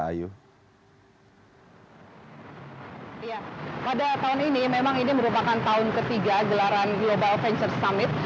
iya pada tahun ini memang ini merupakan tahun ketiga gelaran global venture summit